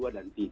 dua dan tiga